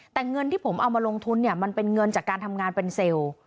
แต่เงินที่ผมเอามาลงทุนเนี่ยมันเป็นเงินจากการทำงานเป็นเซลล์